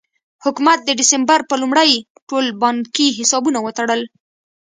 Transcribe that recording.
حکومت د ډسمبر په لومړۍ ټول بانکي حسابونه وتړل.